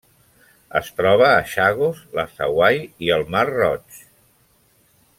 Es troba a Chagos, les Hawaii i al Mar Roig.